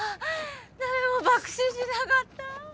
誰も爆死しなかった。